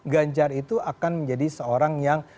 ganjar itu akan menjadi seorang yang